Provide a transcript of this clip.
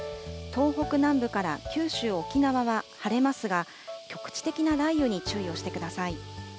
東北南部から九州、沖縄は晴れますが、局地的な雷雨に注意をしてください。